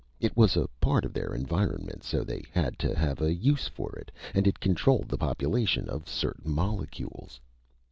It was a part of their environment, so they had to have a use for it! And it controlled the population of certain molecules...."